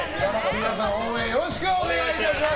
皆さん応援よろしくお願いします。